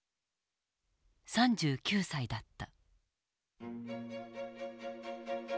３９歳だった。